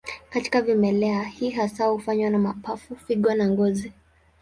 Katika vimelea, hii hasa hufanywa na mapafu, figo na ngozi.